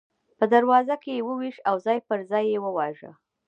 په دروازه کې یې وویشت او ځای پر ځای یې وواژه.